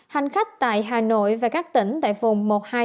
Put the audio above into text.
hành khách tại hà nội và các tỉnh tại vùng một trăm hai mươi ba